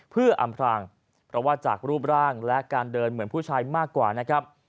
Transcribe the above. เพื่ออำพรางเพราะว่าจากรูปร่างและการเดินเหมือนผู้ชายมากกว่านะครับ